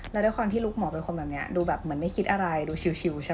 แล้วด้วยความที่ลูกหมอเป็นคนแบบนี้ดูแบบเหมือนไม่คิดอะไรดูชิวใช่ไหม